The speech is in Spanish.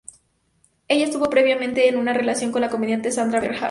Ella estuvo previamente en una relación con la comediante Sandra Bernhard.